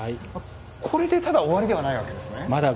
これで終わりではないわけですね。